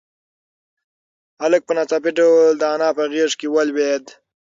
هلک په ناڅاپي ډول د انا په غېږ کې ولوېد.